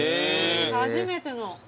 初めての。